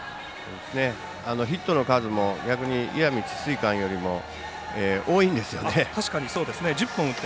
ヒットの数も逆に石見智翠館よりも多いんですよね。